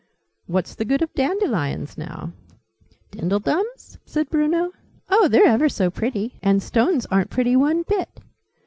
What's the good of dandelions, now?" "Dindledums?" said Bruno. "Oh, they're ever so pretty! And stones aren't pretty, one bit.